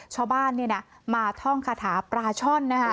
ชาวบ้านมาท่องคาถาปลาช่อน